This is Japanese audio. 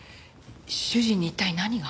主人に一体何が？